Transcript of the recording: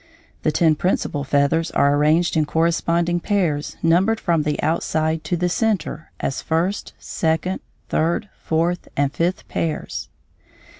The ten principal feathers are arranged in corresponding pairs numbered from the outside to the centre as first, second, third, fourth, and fifth pairs.